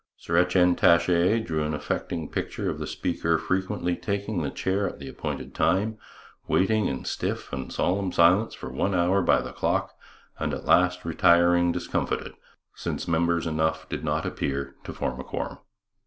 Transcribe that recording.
Sir Etienne Taché drew an affecting picture of the speaker frequently taking the chair at the appointed time, waiting in stiff and solemn silence for one hour by the clock, and at last retiring discomfited, since members enough did not appear to form a quorum.